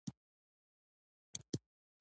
• ستونزې د ودې فرصتونه دي.